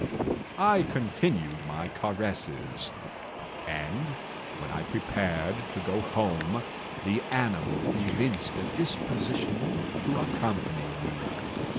I continued my caresses, and, when I prepared to go home, the animal evinced a disposition to accompany me.